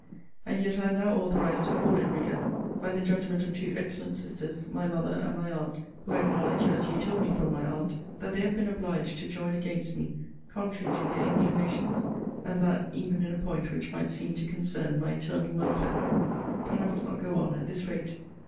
And yet I am now authorized to call it rigour by the judgment of two excellent sisters, my mother and my aunt, who acknowledge (as you tell me from my aunt) that they have been obliged to join against me, contrary to their inclinations; and that even in a point which might seem to concern my eternal welfare. But I must not go on at this rate.